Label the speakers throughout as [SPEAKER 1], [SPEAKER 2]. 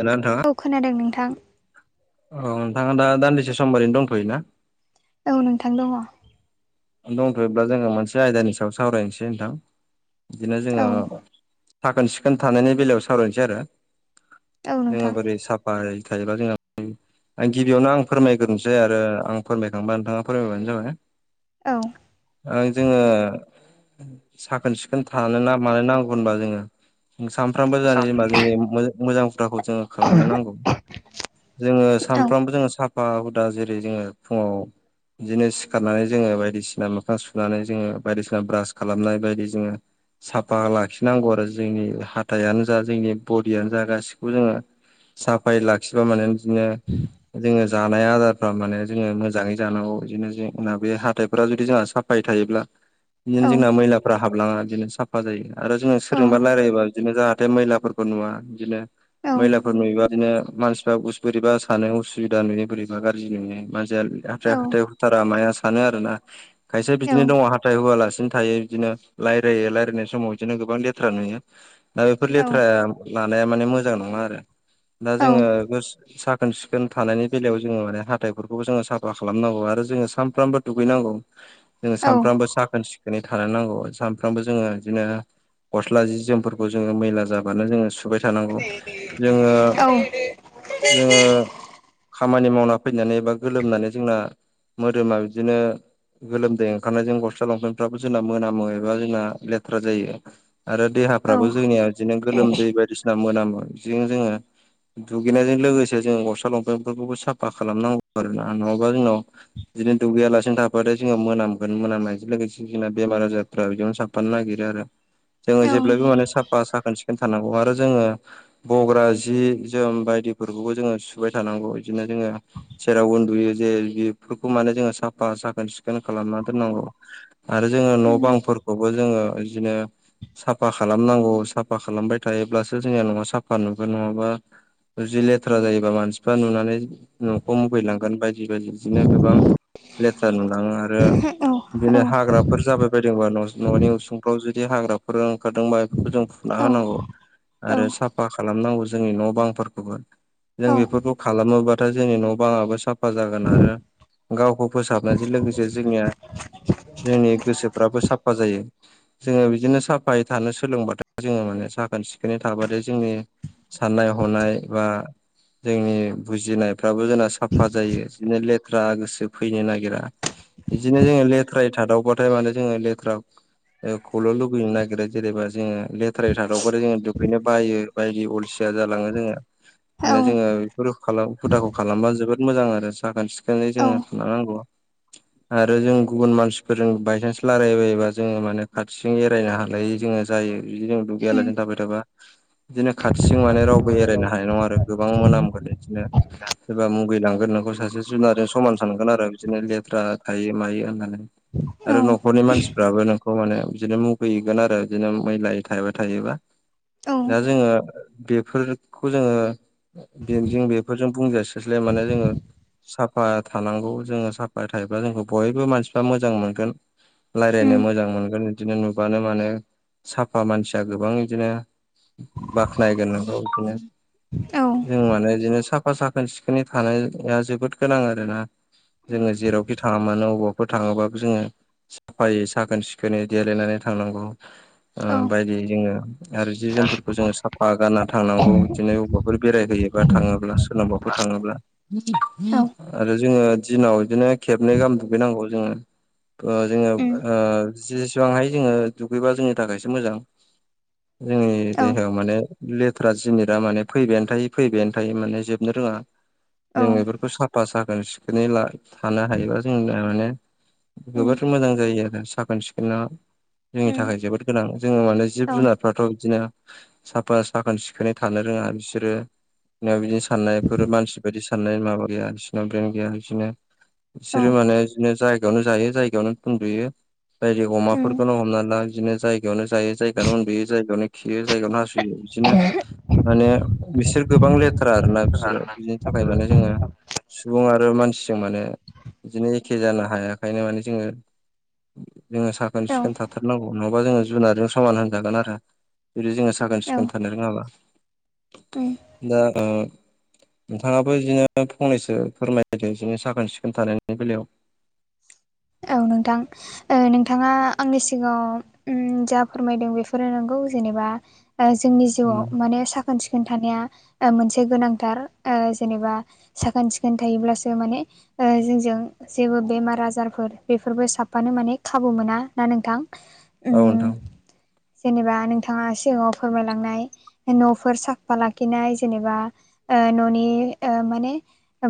[SPEAKER 1] ना नोंथाङा
[SPEAKER 2] औ खोनादों नोंथां
[SPEAKER 1] औ नोंथाङा दा दान्दिसे सम ओरैनो दंथ'योना
[SPEAKER 2] औ नोंथां दङ
[SPEAKER 1] दंथ'योब्ला जोङो मोनसे आयदानि सायाव सावरायनोसै नोंथां बिदिनो जोङो साखोन सिखोन थानायनि बेलायाव सावरायनोसै आरो
[SPEAKER 2] औ
[SPEAKER 1] जोङो
[SPEAKER 2] नोंथां
[SPEAKER 1] बोरै साफ फायै थायोबा जोङो आं गिबियावनो आं फोरमायग्रोनोसै आरो आं फोरमायखांबा नोंथाङा फोरमायबानो जाबाय
[SPEAKER 2] औ
[SPEAKER 1] ओ जोंङो साखोन-सिखोन थानो ना मानो नांगौ होनबा जोङो जों सानफ्रामबो जानो जेनेबा जोंनि मो-मोजां हुदाखौ जोङो खालामनो नांगौ। जोङो
[SPEAKER 2] औ
[SPEAKER 1] सानफ्रामबो जोङो साफा हुदा जेरै जोङो फुङाव बिदिनो सिखारनानै जोङो बायदि- सिना मोखां सुनानै जोङो बायदिसिना ब्रास खालामनाय बायदि जोङो साफा लाखिनांगौ आरो जोंनि हाथायानो जा जोंनि बडियानो जा गासिखौबो जोङो साफायै लाखिबा माने बिदिनो जोङो जानाय आदारफ्रा माने जोङो मोजाङै जानांगौ बिदिनो जना बे हाथाय फ्रा जुदि जोंहा साफायै थायोब्ला
[SPEAKER 2] औ
[SPEAKER 1] बिदिनो जोंना मैलाफ्रा हाबलाङा बिदिनो साफा फा जायो आरो जोङो
[SPEAKER 2] औ
[SPEAKER 1] सोरजोंबा रायलायोबा बिदिनो जाहाथे मैलाफोरखौ नुवा बिदिनो
[SPEAKER 2] औ
[SPEAKER 1] मैलाफोर नुयोबा बिदिनो मानस बोरैबा सानो उसुबिदा नुयो बोरैबा गाज्रि नुयो मानाजया
[SPEAKER 2] औ
[SPEAKER 1] हाथाया हाथथाय होथारा माया सानो आरोना खायसेया
[SPEAKER 2] औ
[SPEAKER 1] बिदिनो दङ हाथाइ हुआलासिनो थायो बिदिनो राय्लायो रायजलायनाय समाव बिदिनो गोबां लेथ्रा नुयो दा बेफोर
[SPEAKER 2] औ
[SPEAKER 1] लेथ्राया लानाया माने मोजां नङा आरो दा
[SPEAKER 2] औ
[SPEAKER 1] जोङो स साखोन-सिखोन थानायनि बेलायाव जोंङो माने हाथाइफोरखौबो जोंङो साफा खालामनांगौ आरो जोंङो सानफ्रामबो दुगैनांगौ। जोङो सानफ्रामबो साखोन-सिखोनै थानो नांगौ सानफ्रामबो जोङो बिदिनो गस्ला जि जोमफोरखौ जोङो मैला जाबानो जोङो सुबाय थानांगौ। जोङो
[SPEAKER 2] औ
[SPEAKER 1] जोंङो खामानि मावना फैनानै एबा गोलोमनानै जोंना मोदोमा बिदिनो गोलोमदै ओंखारनायजों गस्ला लंफेेनफ्राबो जोंना मोनामो एबा जोंना लेथ्रा जायो। आरो
[SPEAKER 2] औ
[SPEAKER 1] देहाफ्राबो जोंनिया बिदिनो गोलोमदै बायदिसिना मोनामो। बिदिनो जोङो दुगैनायजों लोगोसे जों गस्ला-लंफेनफोरखौबो साफा खालामनांगौ आरो ना। नंङाबा जोंनाव बिदिनो दुगैयालासिनो था- बाथाय जों मोनामगोन। मोनामनायजों लोगोसे जोंना बेमार आजारफ्रा बिदिनो साफानो नागिरो आरो।
[SPEAKER 2] औ
[SPEAKER 1] जोंङो
[SPEAKER 2] औ
[SPEAKER 1] जेब्लायबो माने साफा साखोन-सिखोन थानांगौ। आरो जोङो बग्रा जि-जोम बायदिफोरखौबो जोंङो सुबाय थानांगौ। इदिनो जोंङो जेराव उन्दुयो जे बेफोरखौ माने जोंङो साफा साखोन-सिखोन खालामना दोननांगौ। आरो जोंङो न'-बां फोरखौबो जोंङो बिदिनो साफा खालामनांगौ। साफा खालामबाय थायोब्लासो जोंनिया न'आ साफा नुगोन। नंङाबा जुदि लेथ्रा जायोबा मानसिफ्रा नुनानै न'खौ मुगैलांगोन। बायदि बायदि बिदिनो गोबां नुलांङो आरो बिदिनो हाग्रा बेफोर जाबाय बायदोंबा न'-न'नि उसुंफ्राव जुदि हाग्राफोरा ओंखारदोंबा बेफोरखौ जों फुना होनांगौ। आरो साफा खालामनांगौ जोंनि न'-बां फोरखौबो। जों बेफोरखौ खालामोबाथाय जोंनि न' बाङाबो साफा जागोन आरो गावखौ फोसाबनायजों लोगोसे जोंनिया जोंनि गोसोफ्राबो साफा जायो। जोंङो बिदिनो साफायै थानो सोलोंबाथाय जोंङो माने साखोन-सिखोनै थाबाथाय जोंनि साननाय-हनाय एबा जोंनि बुजिनायफ्राबो जोंना साफा जायो। बिदिनो लेथ्रा गोसो फैनो नागिरा। बिदिनो जोङो लेथ्रायै थादावबाथाय माने जोङो लेथ्रा खौल' लुबैनो नागिरो जेनेबा जोंङो लेथ्रायै थादावबाथाय जोङो दुगैनो बायो बायदि अलसिया जालांङो जोंङो। माने जोंङो बेफोर खालाम हुदाखौ खालामबा जोबोद मोजां आरो साखोन-सिखोनै जोंङो नंगौ। आरो जों गुबुन मानसिफोरजों बायसेन्स रायलाय बायोबा जोंङो माने खाथिजों एरायनो हालायै जोंङो जायो बिदिनो जों
[SPEAKER 2] उम
[SPEAKER 1] दुगैयालासेनो थाबाय थाबा। बिदिनो खाथिजों माने रावबो एरायनो हानाय नंङा आरो गोबां मोनामगोन बिदिनो सोरबा मुगै लांगोन नोंखौ सासे जुनारनि समान थानांगोन आरो बिदिनो लेथ्रा थायो मायो होननानै आरो
[SPEAKER 2] औ
[SPEAKER 1] न'खरनि मानसिफ्राबो नोंखौ माने बिदिनो मुगै गोन आरो बिदिनो मैलायै थाबाय थायोबा।
[SPEAKER 2] औ
[SPEAKER 1] दा जोंङो बेफोरखौबो जोंङो बे जों बेफोरजों बुंजास्लायस्लाय माने जोंङो साफा थानांगौ जोंङो साफायै थायोब्लाा जोंखौ बयबो मानसिफ्रा मोजां मोनगोन
[SPEAKER 2] उम
[SPEAKER 1] लायरायनो मोजां मोनगोन बिदिनो नुबानो मानो साफा मानसिया गोबां बिदिनो बाखोनाय गोन नोंखौ इदिनो
[SPEAKER 2] औ उम औ
[SPEAKER 1] जों माने बिदिनो साफा साखोन सिखोनै थानाया जोबोद गोनां आरोना
[SPEAKER 2] उम
[SPEAKER 1] जोंङो जेरावखि थांङा मानो अबाव फोर थांङोबाबो जोंङो साफायै साखोन-सिखोनै देलायनानै थांनांगौ। ओ
[SPEAKER 2] औ
[SPEAKER 1] बायदि जोंङो आरो जि-जोमफोरखौ जोंङो साफा गानना थांनांगौ। बिदिनो अ- फोर बेरायहैयोबा थांङोब्ला सोरनावबाफोर थांङोब्ला।
[SPEAKER 2] औ
[SPEAKER 1] आरो जोंङो दिनाव बिदिनो खेबनै गाहाम दुगैनांगौ जोंङो। ओ जोंङो
[SPEAKER 2] उम
[SPEAKER 1] ओ जेसेबां हायो जोंङो दुगैबा जोंनि थाखायसो मोजां। जोंनि देहायाव माने लेथ्रा जिनिरा माने फैबायानो थायो फैबायानो थायो माने जोबनो रोंङा जों बेफोरखौ साफा- फा साखोन-सिखोनै थानो हायोबा जों माने
[SPEAKER 2] उम
[SPEAKER 1] जोबोर मोजां जायो आरो साखोन-सिखोना जोंनि थाखाय जोबोद गोनां जोंङो माने
[SPEAKER 2] औ
[SPEAKER 1] जिब जुनारफ्राथ' बिदिनो साफा साखोन सिखोनै थानो रोंङा बिसोरो बिदिनो साननायफोर मानसि बायदि साननाय माबा गैया बिसनाव ब्रेन गैया बिदिनो बिसोरो माने बिदिनो जायगायावनो जायो जायगायावनो उुन्दुयो जायदि अमाफोरखौनो हमना ला बिदिनो जायगायावनो जायो जायगायावनो उन्दुयो जायगायावनो खियो जायगायावनो हासुयो बिदिनो माने बिसोर गोबां लेथ थारा आरो ना बिसोरो बिदिनि थाखाय माने जोङो सुबुं आरो मानसिजों माने बिदिनो एखे जानो हायाखायनो माने जोङो जोङो साखोन सिखोन
[SPEAKER 2] उम
[SPEAKER 1] थाथारनांगौ नङाबा जोङो जुनारजों समान होनजागोन आरो जुदि जोङो साखोन
[SPEAKER 2] औ
[SPEAKER 1] सिखोन थानो रोङाब्ला
[SPEAKER 2] उम
[SPEAKER 1] दा ओ नोंथाङाबो बिदिनो फंनैसो फोरमायदों बिदिनो साखोन सिखोन थानायनि बेलायाव
[SPEAKER 2] औ नोंथां ओ नोंथाङा आंनि सिगाङाव ओम जा फोरमायदों बेफोरो नंगौ जेनेबा ओ जोंनि जिउआव माने साखोन सिखोन थानाया ओ मोनसे गोनांथार ओ जेनेबा साखोन सिखोन थायोब्लासो माने ओ जोंजों जेबो बेमार आजार फोर बेफोरबो साफानो माने खाबु मोना आरोना नोंथां
[SPEAKER 1] औ
[SPEAKER 2] उम
[SPEAKER 1] नोंथां
[SPEAKER 2] जेनेबा नोंथाङा सिगाङाव फोरमायलांनाय न'फोर साफा लाखिनाय जेनेबा ओ न'नि ओ माने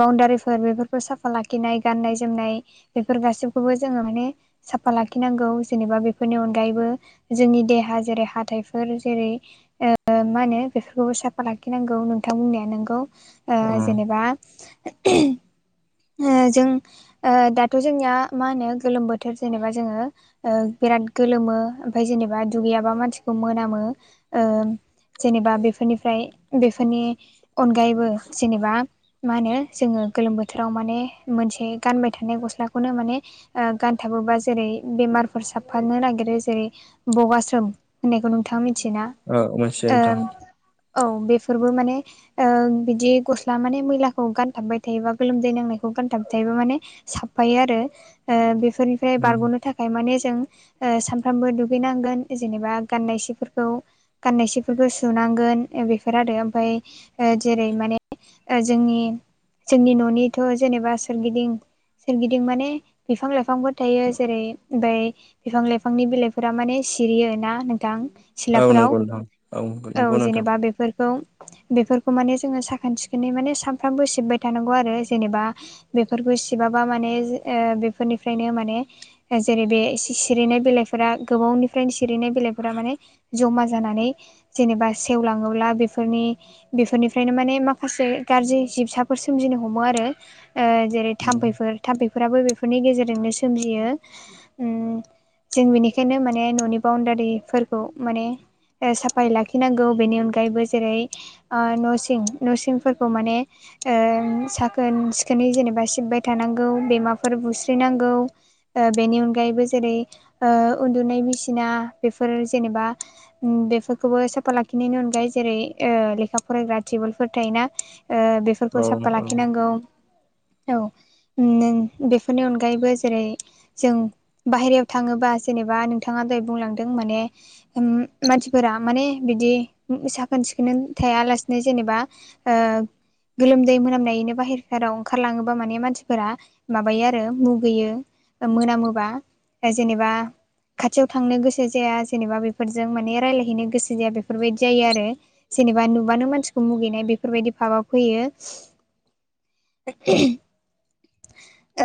[SPEAKER 2] बाउण्डारिफोर बेफोरखौ साफा लाखिनाय गाननाय जोमनाय बेफोर गासैखौबो जोङो माने साफा लाखिनांगौ जेनेबा बेफोरनि अनगायैबो जोंनि देहा जेरै हाथाइफोर जेरै ओ मा होनो बेफोरखौबो साफा लाखिनांगौ नोंथां बुंनाया नोंगौ ओ
[SPEAKER 1] औ
[SPEAKER 2] जेनेबा [unintelligible] ओ जों ओ दा थ' जोंनिया मा होनो गोलोम बोथोर जेनेबा जोङो बिराद गोलोमो ओमफफ्राय जेनेबा दुगैयाबा मानसिखौ मोनामो ओ जेनेबा बेफोरनिफ्राय बेफोरनि अनगायैबो जेनेबा मा होनो जोङो गोलोम बोथोराव माने मोनसे गानबाय थानाय गस सिख्लाखौनो माने ओ गानथाबोबा जेरै बेमारफोर साबफानो नागिरो जेरै बगास्रोम होननायखौ नोंथाङा मिथियो ना
[SPEAKER 1] ओ मोनथियो नोंथां
[SPEAKER 2] औ बेफोरबो माने ओ बिदि गस्ला माने मैलाखौ गानथाबबाय थायोबा गोलोमदै नांनायखौ गानथाबबाय थायोबा माने साफायो आरो ओ बेफोरनिफ्राय बारग'नो थाखाय माने जों सानफ्रामबो दुगैनांगोन जेनेबा गाननाय सिफोरखौ गाननायसोफोरखौ सुनांगोन बेफोर आरो ओमफाय जेरै माने ओ जोंनि जोंनि न'निथ' जेनेबा सोरगिदिं सोरगिदिं माने बिफां लाइफांफोर थायो जेरै बै बिफां लाइफांनि बिलाइफोरा माने सिरियो ना नोंथां।
[SPEAKER 1] औ
[SPEAKER 2] सिलाफोराव
[SPEAKER 1] नंगौ नोंथां औ नंगौ
[SPEAKER 2] औ
[SPEAKER 1] नोंथां
[SPEAKER 2] जेनेबा बेफोरखौ बेफोरखौ माने जोङो साखोन सिखोनै माने सानफ्रामबो सिबबाय थानांगौ आरो जेनेबा बेफोरखौ सिबाबा माने ओ बेफोरनिफ्रायनो माने जेरै बे सिरिनाय बिलाइफोरा गोबावनिफ्रायनो सिरिनाय बिलाइफोरा माने जमा जानानै जेनेबा सेवलाङोब्ला बेफोरनि बेफोरनिफ्रायनो माने माखासे गाज्रि जिबसाफोर सोमजिनो हमो आरो ओ जेरै
[SPEAKER 1] औ
[SPEAKER 2] थाम्फैफोर थाम्फैफोराबो बेफोरनि गेजेरजोंनो सोमजियो ओम जों बेनिखायनो माने न'नि बाउण्डारिफोरखौ माने ओ साफायै लाखिनांगौ बेनि अनगायैबो जेरै ओ न'सिं न'सिंफोरखौ माने ओ साखोन सिखोनै जेनेबा सिबबाय थानांगौ बेमाफोर बुस्रिनांगौ। ओ बेनि अनगायैबो जेरै ओ उन्दुनाय मसिना बेफोर जेनेबा ओम बेफोरखौबो साफा लाखिनायनि अनगायै जेरै ओ लेखा फरायग्रा टेबोलफोर थायोना ओ
[SPEAKER 1] औ
[SPEAKER 2] बेफोरखौ साफा लाखिनांगौ। औ बेफोरनि अनगायैबो जेरै जों बाहेरायाव थाङोबा जेनेबा नोंथाङा दाय बुंलांदों माने ओम मानसिफोरा माने बिदि साखोन सिखोनै थायालासेनो जेनेबा ओ गोलोमदै मोनामनायनो बाहेरफोराव ओंखारलाङो मा माने मानसिफोरा माबायो आरो मुगैयो मोनामोबा। ए जेनेबा खाथियाव थांनो गोसो जाया जेनेबा बेफोरजों माने रायलायहैनो गोसो जाया बेफोरबायदि जायो आरो जेनेबा नुबानो मानसिखौ मुगैनाय बेफोरबायदि पाबाव फैयो। [unintelligible] ओ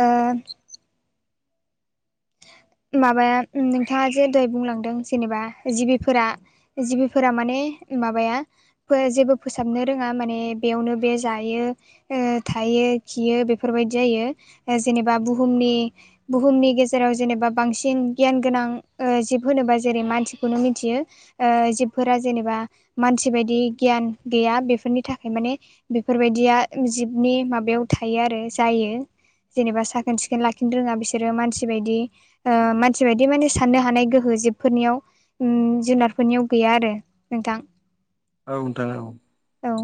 [SPEAKER 2] माबाया नोंथाङा जे दह बुंलांदों जेनेबा जिबिफोरा जिबिफोरा माने माबाया जेबो फोसाबनो रोङा माने बेयावनो बे जायो। ओ थायो खियो बेफोरबायदि जायो जेनेबा बुहुमनि बुहुमनि गेजेराव जेनेबा बांसिन गियान गोनां जिब होनोबा जेरै मानसिखौनो मिथियो। ओ जिबफोरा जेनेबा मानसि बदि गियान गैया बेफोरनि थाखाय माने बेफोरबायदिया जिबनि माबायाव थायो आरो जायो। जेनेबा साखोन सिखोन लाखिनो रोङा बिसोरो मानसि बायदि। ओ मानसि बायदि माने साननो हानाय गोहो जिबफोरनियाव। उम जुनारफोरनियाव गैया आरो नोंथां।
[SPEAKER 1] औ नोंथां औ
[SPEAKER 2] औ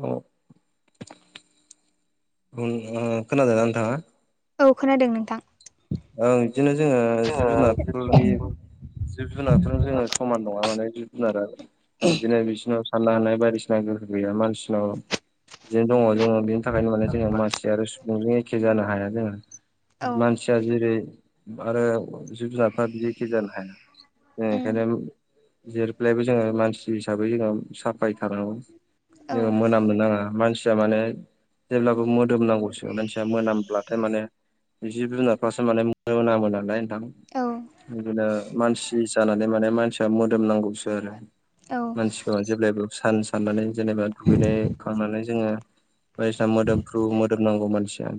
[SPEAKER 1] औ खोनादों ओम ओ नोंथाङा?
[SPEAKER 2] औ खोनादों नोंथां।
[SPEAKER 1] ओं बिदिनो जोङो जिब जुनारफोरनि जिब जुनारथ' जोङो समान नङा माने जिब जुनारा बिदिनो बिसिरनाव सानो हानाय बायदिसिना गोहो गैया मानसिनाव। लिग दङ जोङो बेनि थाखायनो माने जोङो मानसि आरो सुबुंजों एखे जानो हाया
[SPEAKER 2] औ
[SPEAKER 1] जोङोानसि फिया जेरै आरो जुब जाबफा बिदिखि जानो हाया जों
[SPEAKER 2] उम
[SPEAKER 1] ओंखायनो जेब्लायबो जोङो मानसि हिसाबै जोङो साफाय थानांगौ
[SPEAKER 2] औ
[SPEAKER 1] जों मोनामनो नाङा मानसिया माने जेब्लाबो मोदोमनांगौसो मानसिया मोनामब्लाथाय माने जि जुनार सासो माने [unintelligible] मोनामोन नालाय नोंथां
[SPEAKER 2] औ
[SPEAKER 1] बिनो मानसि जानानै माने मानसिया मोदोम नांगौसो आरो मानसिखौ जेब्लायबो सान साननानै जेनेबा दुगैनाय खांनानै जोङो बायदिसिना मोदोमफ्रु मोदोम नांगौ मानसिया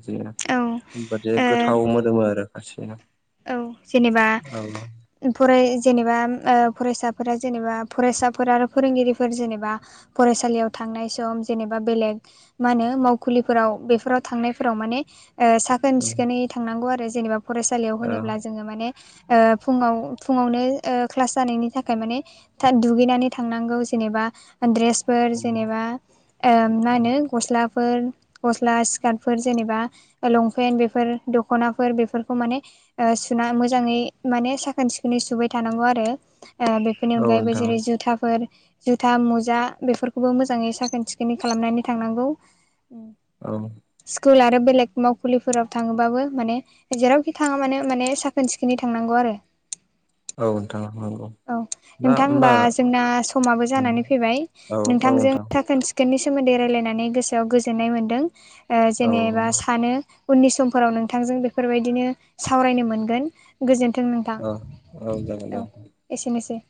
[SPEAKER 2] औ
[SPEAKER 1] बेबादि गोथाव मोदोमो आरो खासैया।
[SPEAKER 2] औ जेनेबा फराय जेनेबा ओ फरायसाफोरा जेनेबा फरायसाफोर आरो फोरोंगिरिफोर जेनेबा फरायसालियाव थांनाय सम जेनेबा बेलेग मा होनो मावखुलिफोराव बेफोराव थांनायफोराव माने साखोन
[SPEAKER 1] औ
[SPEAKER 2] सिखोनै थांनांगौ आरो जेनेबा फरायसालियाव
[SPEAKER 1] औ
[SPEAKER 2] होनोब्ला जोङो माने ओ फुङाव फुङावनो ओ क्लास जानायनि थाखाय माने था दुगैनानै थांनांगौ जेनेबा द्रेसफोर
[SPEAKER 1] औ।
[SPEAKER 2] जेनेबा ओ होनो गस्लाफोर गस्ला सि्कार्टफोर जेनेबा लंपेन्ट बेफोर दख'नाफोर बेफोर माने मोजाङै साखोन सिखोनै सुबाय थानांगौ आरो बेनि
[SPEAKER 1] औ
[SPEAKER 2] अनगायैबो
[SPEAKER 1] नोंथां
[SPEAKER 2] जेरै जुथाफोर जुथा मुजा बेफोरखौबो मोजाङै साखोन सिखोनै खालामनानै थांनांगौ‌।
[SPEAKER 1] औ
[SPEAKER 2] स्कुल आरो बेलेग मावखुलिफोराव थाङोबाबो माने जेरावखि थाङा मानो माने साखोन सिखोनै थांनांगौ आरो
[SPEAKER 1] औ नोंथां नंगौ
[SPEAKER 2] औ
[SPEAKER 1] दा
[SPEAKER 2] नोंथां हबा
[SPEAKER 1] होमबा
[SPEAKER 2] जोंना समाबो जानानै फैबाय
[SPEAKER 1] औ औ
[SPEAKER 2] नोंथांजों
[SPEAKER 1] नोंथां
[SPEAKER 2] साखोन सि ककेट नि सोमोन्दै रायलायनानै गोसोआव गोजोननाय मोन्दों
[SPEAKER 1] औ
[SPEAKER 2] जेनेबा सानो उननि समफोराव नोंथांजों बेफोरबायदिनो सावरायनो मोनगोन गोजोन्थों नोंथां
[SPEAKER 1] औ औ जागोन दे
[SPEAKER 2] औ एसेनोसै।